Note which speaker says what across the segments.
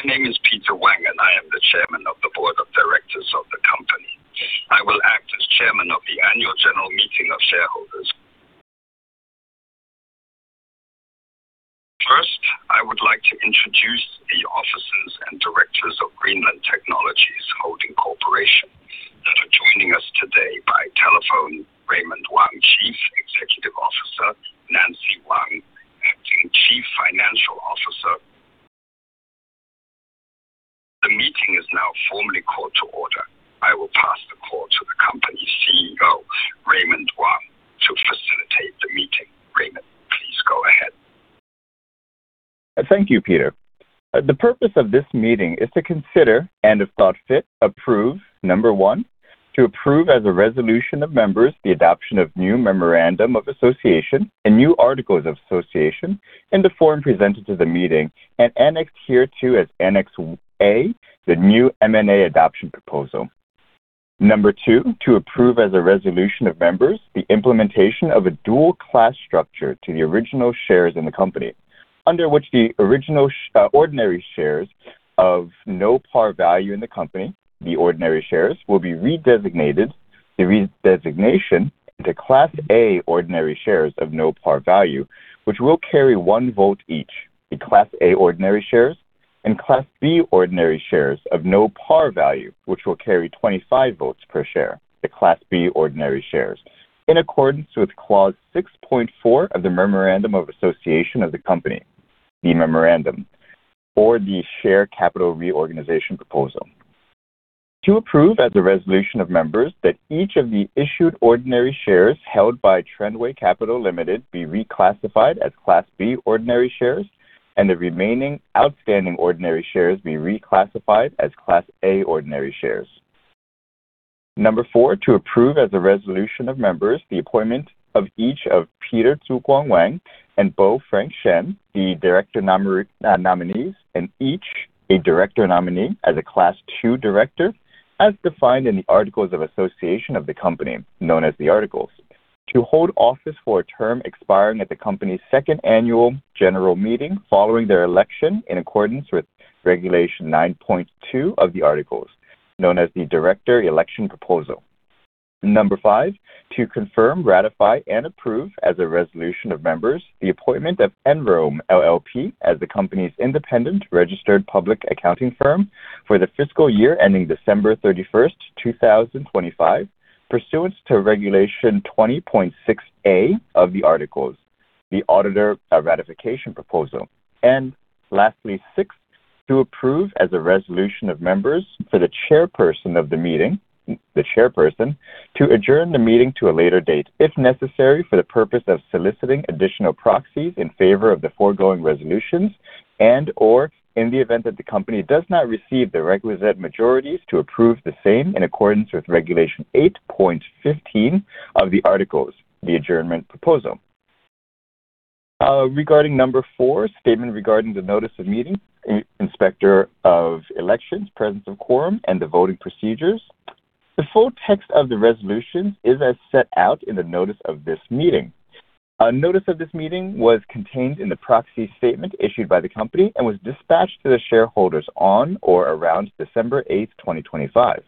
Speaker 1: Holding Corporation. My name is Peter Wang, and I am the Chairman of the Board of Directors of the company. I will act as chairman of the annual general meeting of shareholders. First, I would like to introduce the officers and directors of Greenland Technologies Holding Corporation that are joining us today by telephone. Raymond Wang, Chief Executive Officer. Nancy Wang, Acting Chief Financial Officer. The meeting is now formally called to order. I will pass the call to the company's CEO, Raymond Wang, to facilitate the meeting. Raymond, please go ahead.
Speaker 2: Thank you, Peter. The purpose of this meeting is to consider, and if thought fit, approve: Number 1, to approve as a resolution of members, the adoption of new Memorandum of Association and new Articles of Association in the form presented to the meeting and annexed hereto as Annex A, the New M&A Adoption Proposal. Number two, to approve as a resolution of members, the implementation of a dual class structure to the original shares in the company, under which the original ordinary shares of no par value in the company, the ordinary shares, will be redesignated, the redesignation to Class A Ordinary Shares of no par value, which will carry one vote each, the Class A Ordinary Shares and Class B Ordinary Shares of no par value, which will carry 25 votes per share, the Class B Ordinary Shares, in accordance with Clause 6.4 of the Memorandum of Association of the company, the memorandum or the share capital reorganization proposal. To approve as a resolution of members, that each of the issued ordinary shares held by Trendway Capital Limited be reclassified as Class B Ordinary Shares, and the remaining outstanding ordinary shares be reclassified as Class A Ordinary Shares. Number 4, to approve as a resolution of members, the appointment of each of Peter Zuguang Wang and Frank Shen, the director nominees, and each a director nominee as a Class 2 director, as defined in the articles of association of the company, known as the articles. To hold office for a term expiring at the company's second annual general meeting following their election, in accordance with Regulation 9.2 of the articles, known as the Director Election Proposal. Number five, to confirm, ratify, and approve as a resolution of members, the appointment of Enrome LLP as the company's independent registered public accounting firm for the fiscal year ending December 31st, 2025, pursuant to Regulation 20.6 A of the articles, the Auditor Ratification Proposal. And lastly, sixth, to approve as a resolution of members for the chairperson of the meeting, the chairperson, to adjourn the meeting to a later date, if necessary, for the purpose of soliciting additional proxies in favor of the foregoing resolutions and/or in the event that the company does not receive the requisite majorities to approve the same in accordance with Regulation 8.15 of the articles, the adjournment proposal. Regarding number four, statement regarding the notice of meeting, inspector of elections, presence of quorum, and the voting procedures. The full text of the resolution is as set out in the notice of this meeting. A notice of this meeting was contained in the proxy statement issued by the company and was dispatched to the shareholders on or around December 8th, 2025.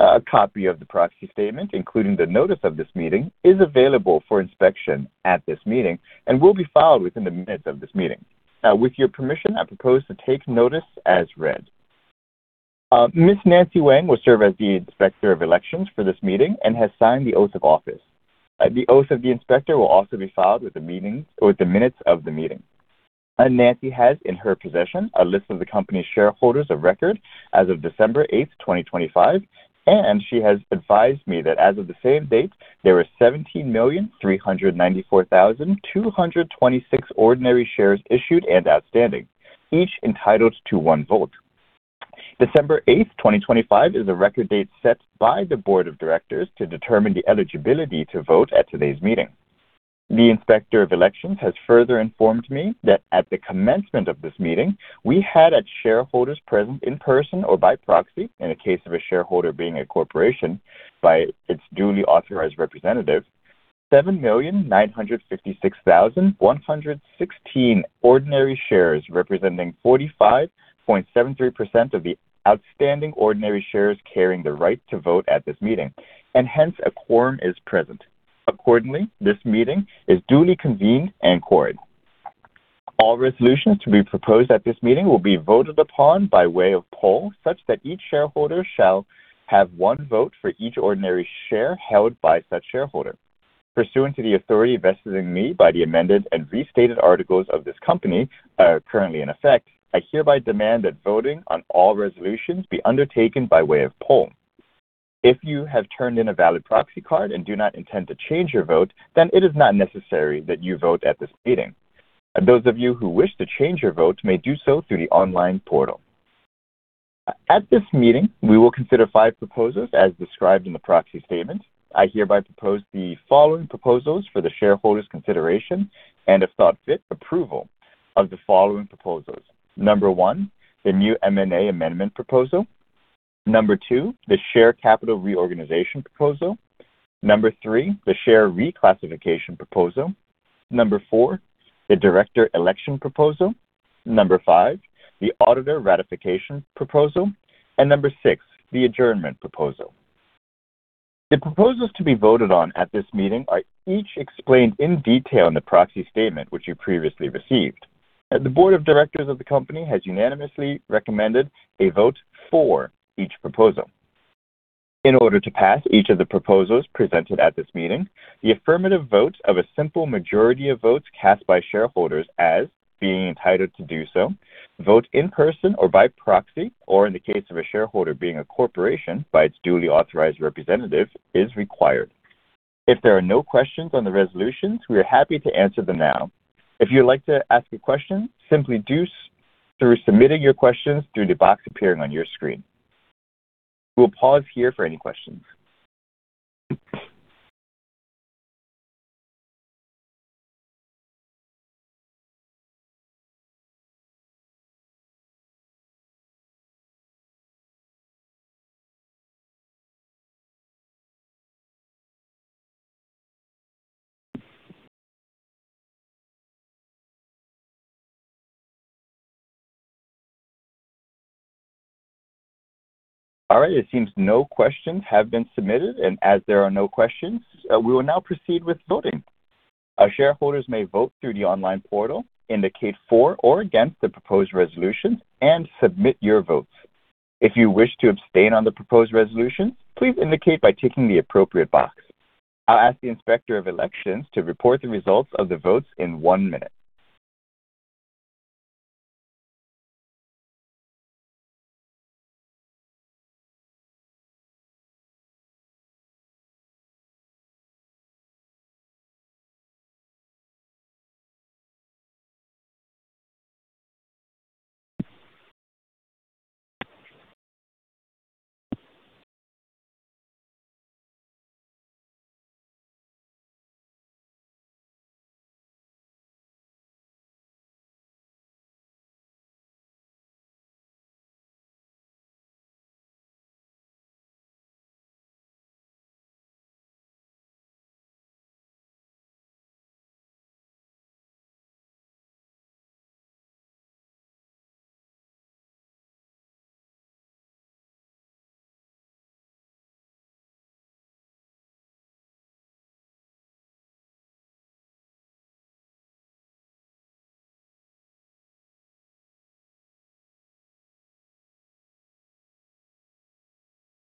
Speaker 2: A copy of the proxy statement, including the notice of this meeting, is available for inspection at this meeting and will be filed within the minutes of this meeting. With your permission, I propose to take notice as read. Ms. Nancy Wang will serve as the inspector of elections for this meeting and has signed the oath of office. The oath of the inspector will also be filed with the minutes of the meeting. Nancy has, in her possession, a list of the company's shareholders of record as of December eighth, 2025, and she has advised me that as of the same date, there were 17,394,226 ordinary shares issued and outstanding, each entitled to one vote. December 8th, 2025, is the record date set by the Board of Directors to determine the eligibility to vote at today's meeting. The Inspector of Elections has further informed me that at the commencement of this meeting, we had shareholders present in person or by proxy, in the case of a shareholder being a corporation by its duly authorized representative, 7,956,116 Ordinary Shares, representing 45.73% of the outstanding Ordinary Shares carrying the right to vote at this meeting, and hence a quorum is present. Accordingly, this meeting is duly convened and quorate. All resolutions to be proposed at this meeting will be voted upon by way of poll, such that each shareholder shall have one vote for each Ordinary Share held by such shareholder. Pursuant to the authority vested in me by the amended and restated articles of this company, currently in effect, I hereby demand that voting on all resolutions be undertaken by way of poll. If you have turned in a valid proxy card and do not intend to change your vote, then it is not necessary that you vote at this meeting. And those of you who wish to change your votes may do so through the online portal. At this meeting, we will consider five proposals as described in the proxy statement. I hereby propose the following proposals for the shareholders' consideration and, if thought fit, approval of the following proposals. Number 1, the New M&A Adoption Proposal. Number 2, the Share Capital Reorganization Proposal. Number 3, the Share Reclassification Proposal. Number 4, the Director Election Proposal. Number 5, the Auditor Ratification Proposal, and Number 6, the Adjournment Proposal. The proposals to be voted on at this meeting are each explained in detail in the proxy statement, which you previously received. The board of directors of the company has unanimously recommended a vote for each proposal. In order to pass each of the proposals presented at this meeting, the affirmative vote of a simple majority of votes cast by shareholders as being entitled to do so, vote in person or by proxy, or in the case of a shareholder being a corporation by its duly authorized representative, is required. If there are no questions on the resolutions, we are happy to answer them now. If you'd like to ask a question, simply do so through submitting your questions through the box appearing on your screen. We'll pause here for any questions. All right, it seems no questions have been submitted, and as there are no questions, we will now proceed with voting. Our shareholders may vote through the online portal, indicate for or against the proposed resolutions, and submit your votes. If you wish to abstain on the proposed resolution, please indicate by ticking the appropriate box. I'll ask the Inspector of Elections to report the results of the votes in one minute.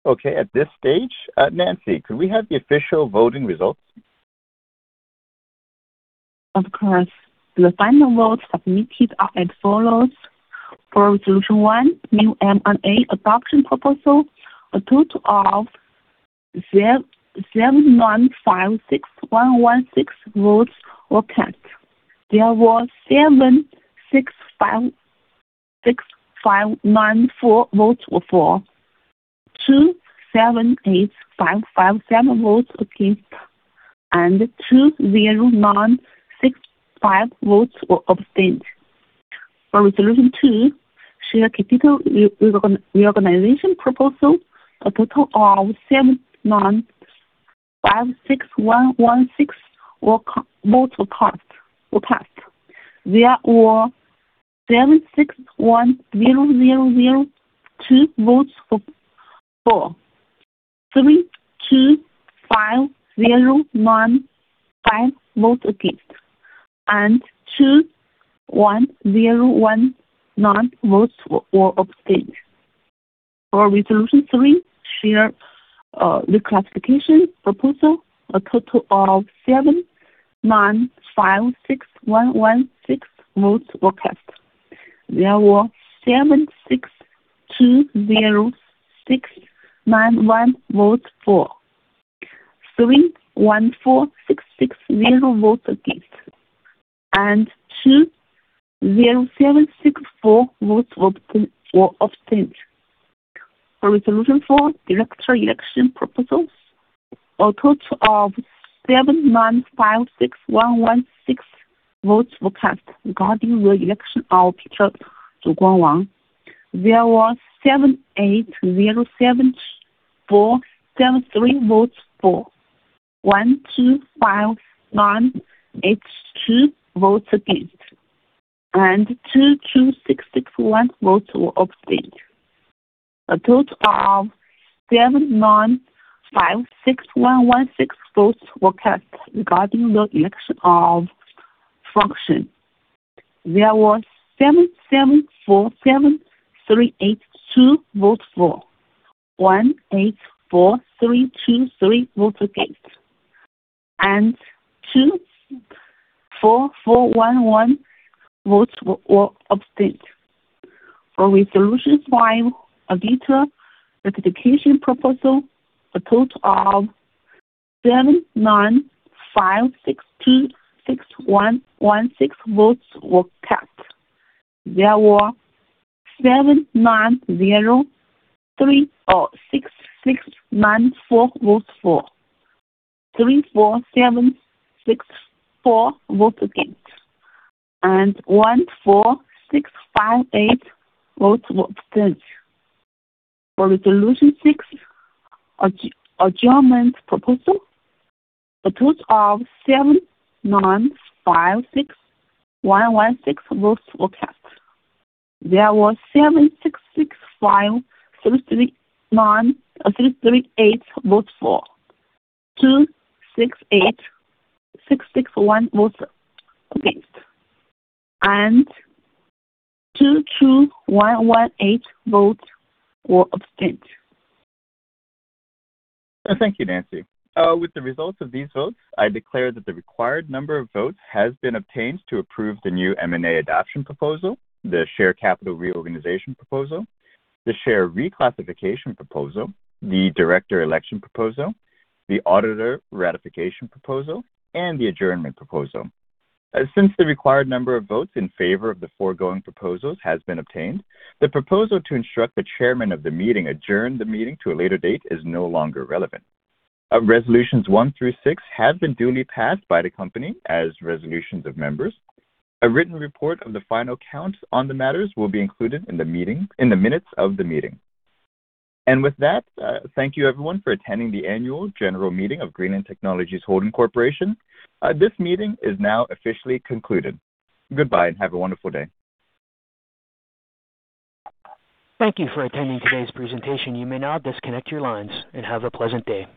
Speaker 2: Okay, at this stage, Nancy, could we have the official voting results?
Speaker 3: Of course. The final votes submitted are as follows: for resolution one, new M&A adoption proposal, a total of 7,956,116 votes were cast. There was 7,656,594 votes were for, 2,785,557 votes against, and 209,665 votes were abstained. For resolution two, share capital reorganization proposal, a total of 7,956,116 were votes were cast, were cast. There were 7,610,002 votes for, 325,095 votes against, and 21,019 votes were abstained. For resolution three, share reclassification proposal, a total of 7,956,116 votes were cast. There were 7,620,691 votes for, 314,660 votes against, and 207,640 votes were abstained. For resolution four, director election proposals, a total of 7,956,116 votes were cast regarding the election of Peter Zuguang Wang. There was 7,807,473 votes for, 125,982 votes against, and 22,661 votes were abstained. A total of 7,956,116 votes were cast regarding the election of Frank Shen. There was 7,747,382 votes for, 184,323 votes against, and 24,411 votes were abstained. For resolution five, auditor ratification proposal, a total of 79,562,611 votes were cast. There were 79,036,694 votes for, 34,764 votes against, and 14,658 votes were abstained. For resolution six, adjournment proposal, a total of 79,561,116 votes were cast. There were 76,653,338 votes for, 2,686,661 votes against, and 221,118 votes were abstained.
Speaker 2: Thank you, Nancy. With the results of these votes, I declare that the required number of votes has been obtained to approve the New M&A Adoption Proposal, the Share Capital Reorganization Proposal, the Share Reclassification Proposal, the Director Election Proposal, the Auditor Ratification Proposal, and the Adjournment Proposal. Since the required number of votes in favor of the foregoing proposals has been obtained, the proposal to instruct the chairman of the meeting adjourn the meeting to a later date is no longer relevant. Resolutions one through six have been duly passed by the company as resolutions of members. A written report of the final count on the matters will be included in the meeting, in the minutes of the meeting. And with that, thank you everyone for attending the annual general meeting of Greenland Technologies Holding Corporation. This meeting is now officially concluded. Goodbye, and have a wonderful day.
Speaker 4: Thank you for attending today's presentation. You may now disconnect your lines and have a pleasant day.